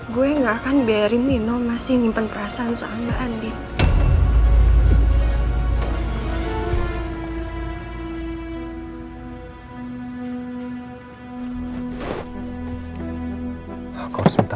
bukan berarti mama akan lupain kamu